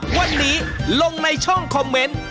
วันนี้ลงในช่องคอมเมนต์